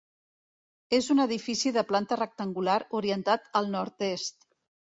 És un edifici de planta rectangular, orientat al nord-est.